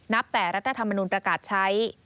แต่รัฐธรรมนุนประกาศใช้